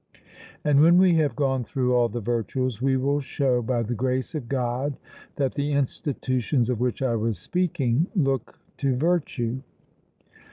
And when we have gone through all the virtues, we will show, by the grace of God, that the institutions of which I was speaking look to virtue.